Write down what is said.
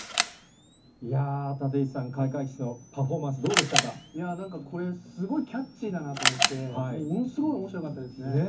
いやー、立石さん、開会式のなんかこれ、すごいキャッチーだなと思って、ものすごいおもしろかったですね。